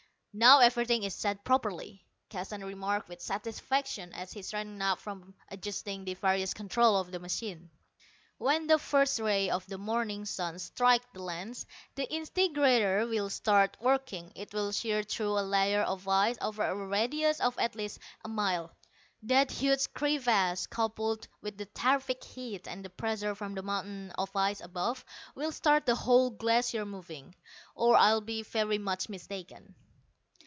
"Now everything is set properly," Keston remarked with satisfaction as he straightened up from adjusting the various controls on the machine. "When the first ray of the morning sun strikes the lens, the disintegrator will start working. It will shear through a layer of ice over a radius of at least a mile. That huge crevasse, coupled with the terrific heat and the pressure from the mountain of ice above, will start the whole Glacier moving, or I'll be very much mistaken."